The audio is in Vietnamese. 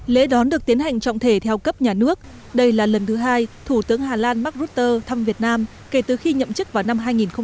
lễ đón được tiến hành trọng thể theo cấp nhà nước đây là lần thứ hai thủ tướng hà lan mark rutte thăm việt nam kể từ khi nhậm chức vào năm hai nghìn một mươi